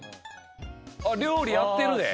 あっ料理やってるで。